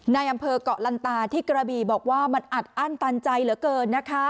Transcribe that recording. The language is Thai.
ในอำเภอกเกาะลันตาที่กระบีบอกว่ามันอัดอั้นตันใจเหลือเกินนะคะ